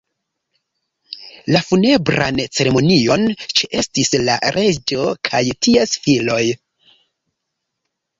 La funebran ceremonion ĉeestis la reĝo kaj ties filoj.